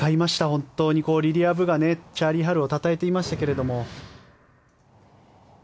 本当にリリア・ブがチャーリー・ハルをたたえていましたけど。